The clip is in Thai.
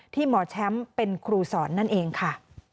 หมอแชมป์เป็นครูสอนนั่นเองค่ะ